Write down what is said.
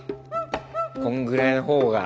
こんぐらいのほうが。